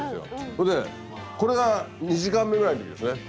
それでこれが２時間目ぐらいの時ですね。